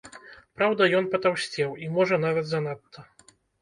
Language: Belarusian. Праўда, ён патаўсцеў, і, можа, нават занадта.